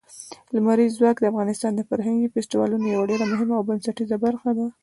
لمریز ځواک د افغانستان د فرهنګي فستیوالونو یوه ډېره مهمه او بنسټیزه برخه ده.